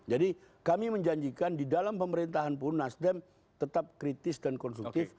jadi kami menjanjikan di dalam pemerintahan pun nasdem tetap kritis dan konstruktif